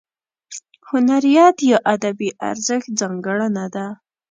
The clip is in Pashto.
هنریت یا ادبي ارزښت ځانګړنه ده.